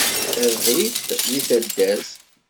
Tabriṭ deg taddart.